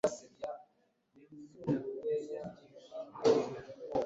abagomeramana ntibagaba amashami